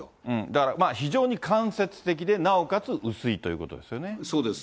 だから非常に間接的で、なおかつ薄いということですよね。